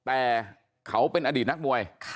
แต่เขาเป็นอดีตนักมวย